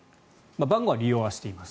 番号は利用はしています。